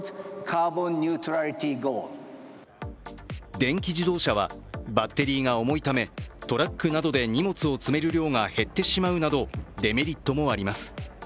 電気自動車はバッテリーが重いため、トラックなどで荷物を詰める量が減ってしまうなどデメリットもあります。